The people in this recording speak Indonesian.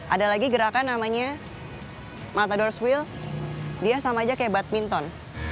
ada lagi gerakan namanya matador s wheel dia sama aja kayak badminton